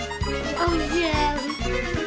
おいしい！